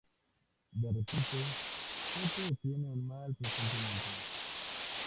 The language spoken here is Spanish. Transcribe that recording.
De repente, Pete tiene un mal presentimiento.